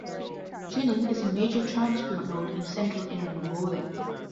Jining is a major transport node in central Inner Mongolia.